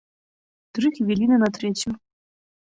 Тры хвіліны на трэцюю.